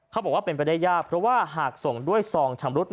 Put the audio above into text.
เขาบอกว่าเป็นไปได้ยากเพราะว่าหากส่งด้วยซองชำรุด